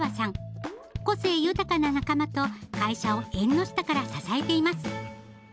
個性豊かな仲間と会社を縁の下から支えています。